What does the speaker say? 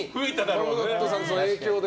コムドットさんの影響で。